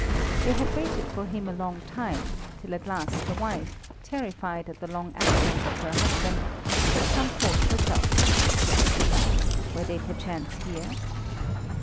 They had waited for him a long time, till at last the wife, terrified at the long absence of her husband, had come forth herself to seek him. Were they perchance here?